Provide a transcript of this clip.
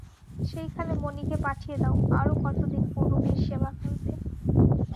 সেইখানে মণিকে পাঠিয়ে দাও, আরো কতদিন ও রোগীর সেবা করবে।